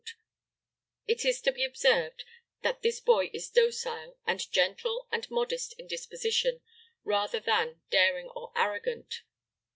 It is to be observed that this boy is docile, and gentle and modest in disposition, rather than daring or arrogant.